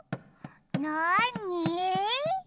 なに？